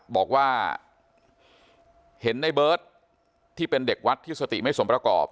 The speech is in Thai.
บอกว่าเห็นในเบิร์ตที่เป็นเด็กวัดที่สติไม่สมประกอบ